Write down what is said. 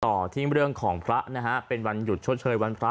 ต่อที่เรื่องของพระนะฮะเป็นวันหยุดชดเชยวันพระ